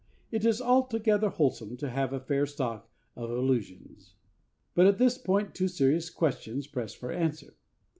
It is altogether wholesome to have a fair stock of illusions. But at this point two serious questions press for answer.